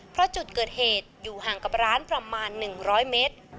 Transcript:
เพราะจุดเกิดเหตุอยู่ห่างกับร้านประมาณ๑๐๐เมตร